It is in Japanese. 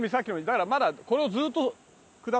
だからまだこれをずっと下って。